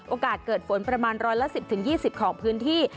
โอกาสเกิดฝนประมาณร้อยละ๑๐๒๐ของพื้นที่